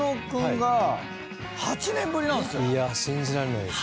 いや信じられないですね。